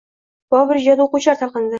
Bobur ijodi o‘quvchilar talqinida